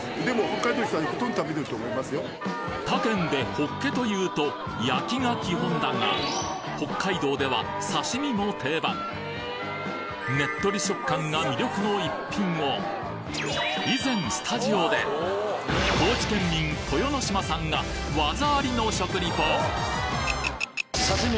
他県でホッケというと焼きが基本だが北海道では刺身も定番ねっとり食感が魅力の一品を以前スタジオで豊ノ島さんね最後。